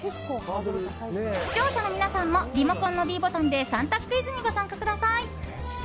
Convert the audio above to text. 視聴者の皆さんもリモコンのｄボタンで３択クイズにご参加ください。